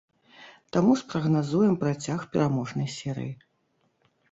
Таму спрагназуем працяг пераможнай серыі.